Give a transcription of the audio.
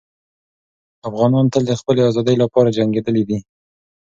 افغانان تل د خپلې ازادۍ لپاره جنګېدلي دي.